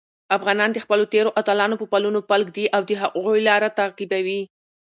افغانان د خپلو تېرو اتلانو په پلونو پل ږدي او د هغوی لاره تعقیبوي.